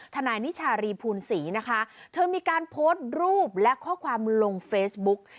นายนิชารีภูลศรีนะคะเธอมีการโพสต์รูปและข้อความลงเฟซบุ๊ก